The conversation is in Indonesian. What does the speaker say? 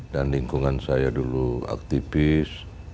dan lingkungan saya dulu aktivis